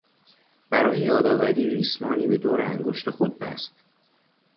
برای یادآوری ریسمانی به دور انگشت خود بست.